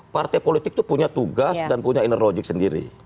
partai politik itu punya tugas dan punya inner logik sendiri